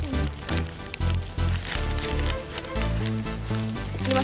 terima kasih mas